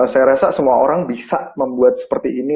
saya rasa semua orang bisa membuat seperti ini